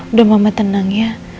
udah mama tenang ya